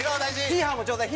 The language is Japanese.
ヒーハーちょうだい。